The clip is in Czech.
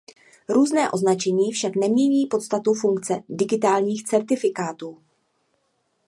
Různé označení však nemění podstatu funkce digitálních certifikátů.